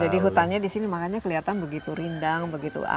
jadi hutannya di sini makanya kelihatan begitu rindang begitu asli